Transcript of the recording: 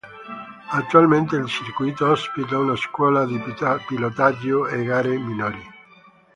Attualmente il circuito ospita una scuola di pilotaggio e gare minori.